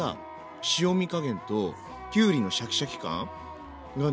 塩み加減ときゅうりのシャキシャキ感がね